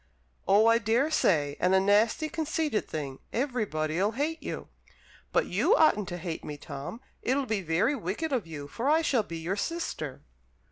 "Oh, I daresay, and a nasty, conceited thing. Everybody'll hate you." "But you oughtn't to hate me, Tom. It'll be very wicked of you, for I shall be your sister."